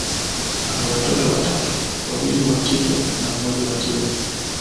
ana watoto watatu, wawili wa kike na mmoja wa kiume.